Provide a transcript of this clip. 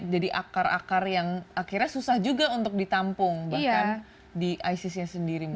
jadi akar akar yang akhirnya susah juga untuk ditampung bahkan di isisnya sendiri mungkin